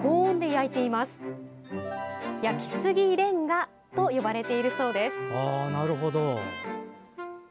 焼きすぎレンガと呼ばれているそうです。